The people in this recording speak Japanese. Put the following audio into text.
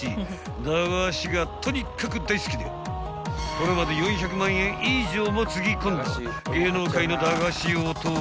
［駄菓子がとにかく大好きでこれまで４００万円以上もつぎ込んだ］